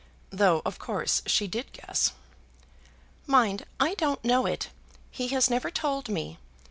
Though, of course, she did guess. "Mind, I don't know it. He has never told me.